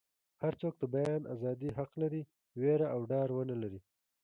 هر څوک د بیان ازادي حق لري ویره او ډار ونه لري.